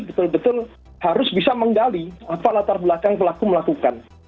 betul betul harus bisa menggali apa latar belakang pelaku melakukan